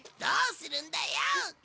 どうするんだよ？